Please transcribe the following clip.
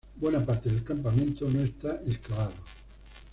Buena parte del campamento no está excavado.